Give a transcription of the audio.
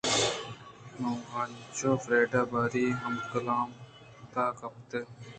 انوں انچوش فریڈا ءِ باری ءَ ہم کلام تہاکپتگ